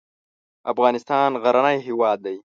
افغانستان غرنی هېواد دی.